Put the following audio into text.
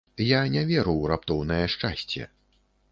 Я не веру ў раптоўнае шчасце.